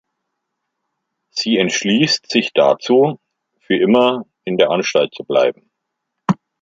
Sie entschließt sich dazu, für immer in der Anstalt zu bleiben.